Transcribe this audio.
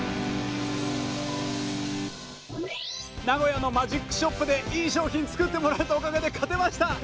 名古屋のマジックショップでいい商品作ってもらえたおかげで勝てました。